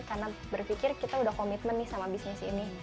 karena berpikir kita udah komitmen nih sama bisnis ini